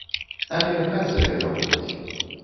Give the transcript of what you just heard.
Але хай сабе гаворыць.